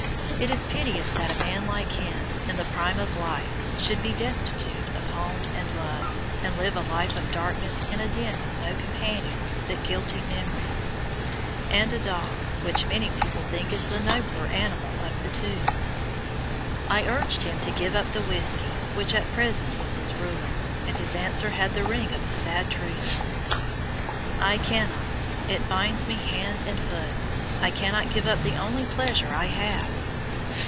It is piteous that a man like him, in the prime of life, should be destitute of home and love, and live a life of darkness in a den with no companions but guilty memories, and a dog which many people think is the nobler animal of the two. I urged him to give up the whisky which at present is his ruin, and his answer had the ring of a sad truth in it: "I cannot, it binds me hand and foot I cannot give up the only pleasure I have."